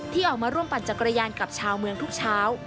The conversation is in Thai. ออกมาร่วมปั่นจักรยานกับชาวเมืองทุกเช้า